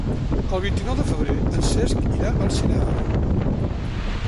El vint-i-nou de febrer en Cesc irà al cinema.